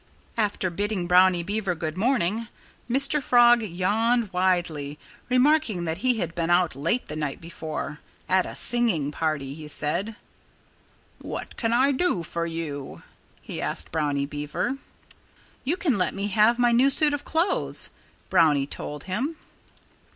After bidding Brownie Beaver good morning, Mr. Frog yawned widely, remarking that he had been out late the night before, "at a singing party," he said. "What can I do for you?" he asked Brownie Beaver. "You can let me have my new suit of clothes," Brownie told him.